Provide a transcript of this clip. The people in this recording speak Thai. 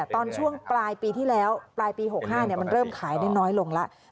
ตอนช่วงปลายปีที่แล้วปลายปี๖๕มันเริ่มขายได้น้อยลงแล้ว